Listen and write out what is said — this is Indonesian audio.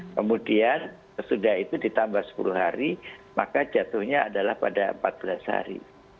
kemudian sesudah itu ditambah sepuluh hari maka jatuhnya adalah pada empat belas hari